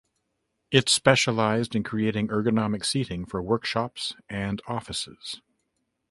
It specialised in creating ergonomic seating for workshops and offices.